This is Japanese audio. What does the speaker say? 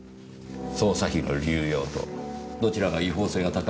捜査費の流用とどちらが違法性が高いでしょう。